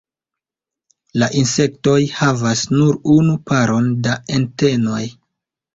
La Insektoj havas nur unu paron da antenoj.